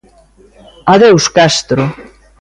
¡Adeus castro!